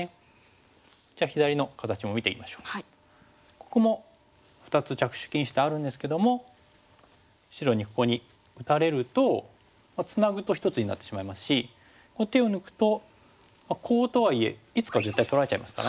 ここも２つ着手禁止点あるんですけども白にここに打たれるとツナぐと１つになってしまいますし手を抜くとコウとはいえいつか絶対取られちゃいますからね。